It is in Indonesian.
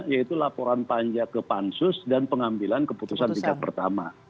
yaitu laporan panja ke pansus dan pengambilan keputusan tingkat pertama